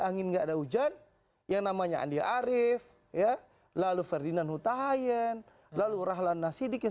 angin nggak ada hujan yang namanya andi arief ya lalu ferdinand hutahayen lalu rahlan nasidik yang